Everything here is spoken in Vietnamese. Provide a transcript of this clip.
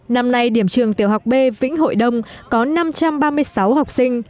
năm nay điểm trường tiểu học b vĩnh hội đông có năm trăm ba mươi sáu học sinh